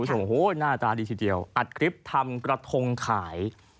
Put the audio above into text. หน้าตาดีทีเดียวอัดกริ๊บทำกระทงขาย